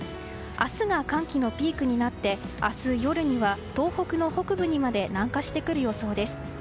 明日が寒気のピークになって明日夜には東北の北部にまで南下してくる予想です。